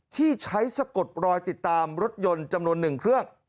ที่ใช้สะกดรอยติดตามรถยนต์จำนวน๑เครื่อง